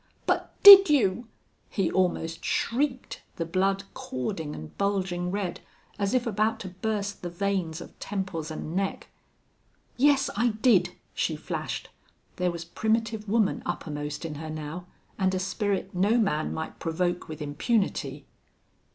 "But did you?" he almost shrieked, the blood cording and bulging red, as if about to burst the veins of temples and neck. "Yes, I did," she flashed. There was primitive woman uppermost in her now, and a spirit no man might provoke with impunity.